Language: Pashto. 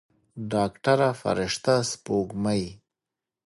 ډاکتره فرشته سپوږمۍ.